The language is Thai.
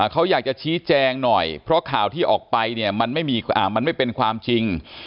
เขาอยากจะชี้แจงหน่อยเพราะข่าวที่ออกไปเนี่ยมันไม่เป็นความจริง